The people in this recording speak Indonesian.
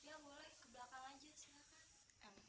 ya boleh ke belakang aja silahkan